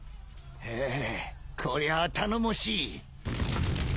フフこりゃあ頼もしい。